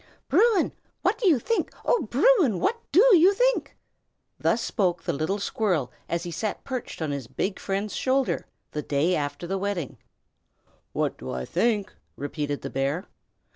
"BRUIN, what do you think? Oh, Bruin! what do you think?" Thus spoke the little squirrel as he sat perched on his big friend's shoulder, the day after the wedding party. "What do I think?" repeated the bear.